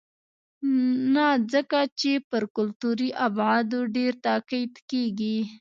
نه ځکه چې پر کلتوري ابعادو ډېر تاکید کېږي.